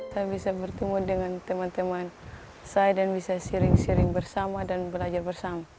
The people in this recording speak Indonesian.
saya bisa bertemu dengan teman teman saya dan bisa sering sering bersama dan belajar bersama